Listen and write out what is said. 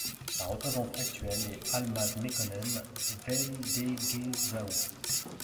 Sa représentante actuelle est Almaz Mekonnen Weldegezahu.